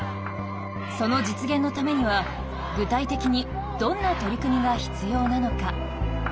その実現のためには具体的にどんな取り組みが必要なのか？